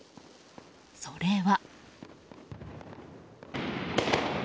それは。